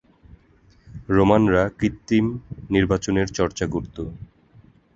রোমানরা কৃত্রিম নির্বাচনের চর্চা করত।